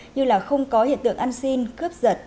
như là không có hiện tượng ăn xin cướp giật